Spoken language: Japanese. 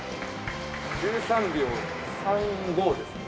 １３秒３５ですね。